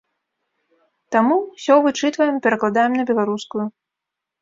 Таму ўсё вычытваем і перакладаем на беларускую.